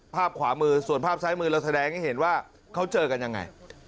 ภาพขวามือส่วนภาพซ้ายมือเราแสดงให้เห็นว่าเขาเจอกันยังไง